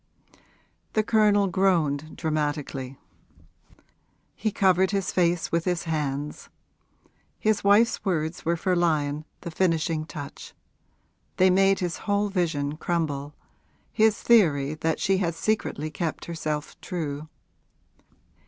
The Colonel groaned, dramatically; he covered his face with his hands. His wife's words were for Lyon the finishing touch; they made his whole vision crumble his theory that she had secretly kept herself true.